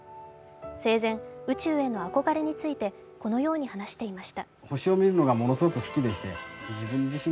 生前、宇宙へのあこがれについてこのように話していました。